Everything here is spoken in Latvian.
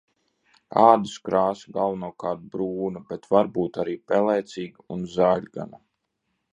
Ādas krāsa galvenokārt brūna, bet var būt arī pelēcīga un zaļgana.